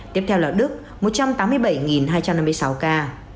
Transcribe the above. tiếp theo là đức một trăm tám mươi bảy hai trăm năm mươi sáu ca